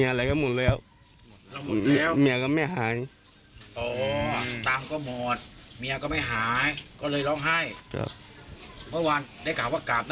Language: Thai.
ใช่ค่ะเขาจะใช้ได้เรืองันละเท่าไรครับ